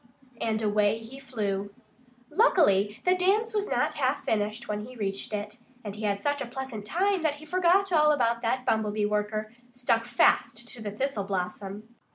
And away he flew. Luckily the dance was not half finished when he reached it. And he had such a pleasant time that he forgot all about that Bumblebee worker, stuck fast to the thistle blossom.